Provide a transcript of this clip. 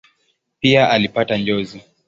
Pia alipata njozi.